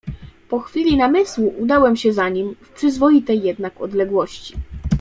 "Po chwili namysłu udałem się za nim, w przyzwoitej jednak odległości."